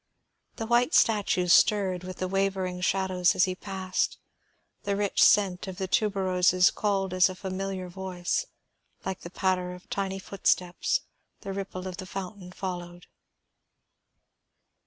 The white statues stirred with the wavering shadows as he passed; the rich scent of the tuberoses called as a familiar voice; like a patter of tiny footsteps the ripple of the fountain followed.